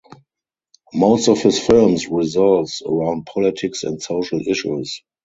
Most of his films revolves around politics and social issues.